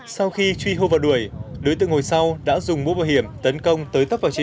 sau khi truy hô vào đuổi đối tượng ngồi sau đã dùng mũ bảo hiểm tấn công tới tấp vào chị